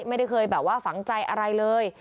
ไม่ได้เคยแบบว่าฝังใจอะไรเลย